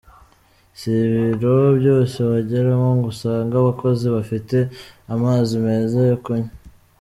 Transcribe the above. Si ibiro byose wageramo ngo usange abakozi bafite amazi meza yo kunywa.